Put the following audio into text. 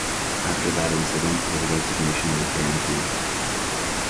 After that incident, his resignation was guaranteed.